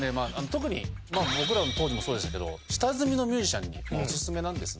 特に僕らの当時もそうでしたけど下積みのミュージシャンにおすすめなんですね。